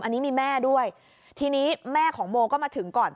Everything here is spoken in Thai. อันนี้มีแม่ด้วยทีนี้แม่ของโมก็มาถึงก่อน